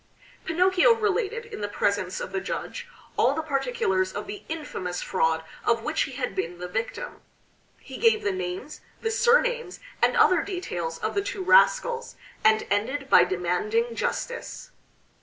Pinocchio related in the presence of the judge all the particulars of the infamous fraud of which he had been the victim. He gave the names, the surnames, and other details, of the two rascals, and ended by demanding justice.